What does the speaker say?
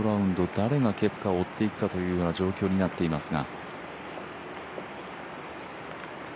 誰がケプカを追っていくかという状況になっていますが。